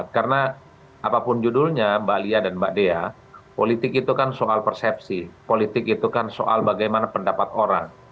karena apapun judulnya mbak lia dan mbak dea politik itu kan soal persepsi politik itu kan soal bagaimana pendapat orang